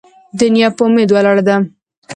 ـ دنيا په اميد ولاړه ده.